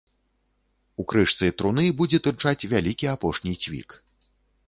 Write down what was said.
У крышцы труны будзе тырчаць вялікі апошні цвік.